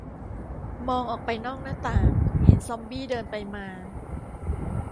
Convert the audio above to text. มองออกไปนอกหน้าต่าง เห็นซอมบี้เดินไปมา